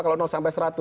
kalau sampai seratus